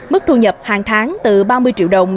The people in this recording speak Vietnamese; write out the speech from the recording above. mức thu nhập hàng tháng từ ba mươi triệu đồng